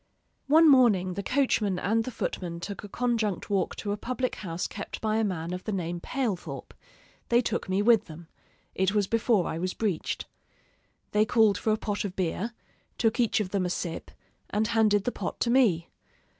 One morning the coachman and the footman took a conjunct walk to a public house kept by a man of the name Palethorp; they took me with them: it was before I was breeched. They called for a pot of beer; took each of them a sip, and handed the pot to me.